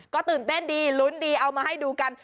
ก็ตื่นเต้นดีลุ้นดีเอามาให้ดูกัน